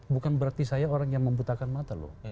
bukan berarti saya orang yang membutakan mata loh